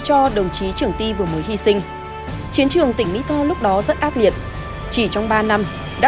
cho đồng chí trưởng ti vừa mới hy sinh chiến trường tỉnh mỹ tho lúc đó rất ác liệt chỉ trong ba năm đã